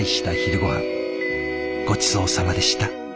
ごちそうさまでした。